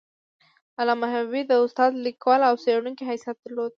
علامه حبیبي د استاد، لیکوال او څیړونکي حیثیت درلود.